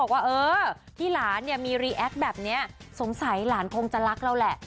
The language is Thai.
ว่าเออที่หลานเนี่ยมีรีแอคแบบนี้สงสัยหลานคงจะรักเราแหละ